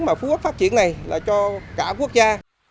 mà phú quốc phát triển này là cho cả quốc gia